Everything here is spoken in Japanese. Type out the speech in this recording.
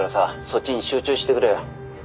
そっちに集中してくれ」